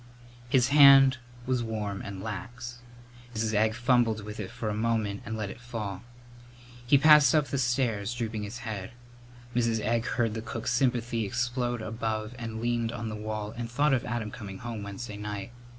His hand was warm and lax. Mrs. Egg fumbled with it for a moment and let it fall. He passed up the stairs, drooping his head. Mrs. Egg heard the cook's sympathy explode above and leaned on the wall and thought of Adam coming home Wednesday night.